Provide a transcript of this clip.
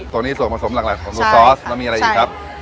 ตัวนี้ส่วนผสมหลักของซูซอสแล้วมีอะไรอีกครับ